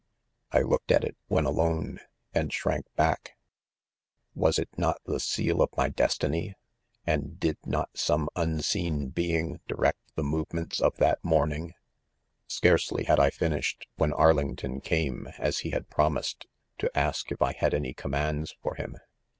1 & Hooked at h 9 when alone, and shrank back •—was it not the seal of my destiny T and did not some unseen being direct the movements of that morning 1 THE CONFESSIONS. 117. c Scarcely had I finished when Arlington came, as he had promised, to ask if I had any commands for him.